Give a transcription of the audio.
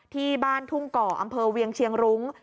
ที่บ้านทุ่งก่ออำเภอเวียงเชียงรุ้ง